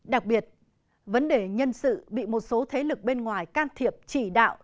đặc biệt vấn đề nhân sự bị một số thế lực bên ngoài can thiệp chỉ đạo